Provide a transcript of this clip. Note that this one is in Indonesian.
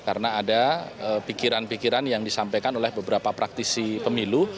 karena ada pikiran pikiran yang disampaikan oleh beberapa praktisi pemilu